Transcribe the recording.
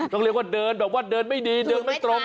ต้องเรียกว่าเดินแบบว่าเดินไม่ดีเดินไม่ตรง